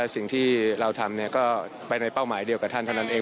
สิ่งที่เราทำก็ไปในเป้าหมายเดียวกับท่านเท่านั้นเอง